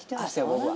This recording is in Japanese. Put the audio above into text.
僕は。